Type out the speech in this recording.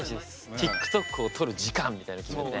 ＴｉｋＴｏｋを撮る時間みたいなの決めて。